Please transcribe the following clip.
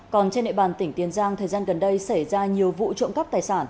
còn trên địa bàn tỉnh tiền giang thời gian gần đây xảy ra nhiều vụ trộm cắp tài sản